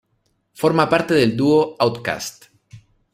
Forma parte del dúo OutKast.